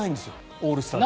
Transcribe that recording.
オールスターで。